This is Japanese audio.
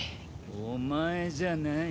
「お前」じゃない。